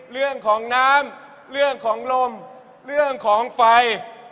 เรื่องของน้ำเรื่องของลมเรื่องของไฟ